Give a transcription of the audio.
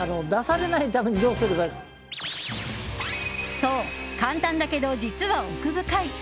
そう、簡単だけど実は奥深い！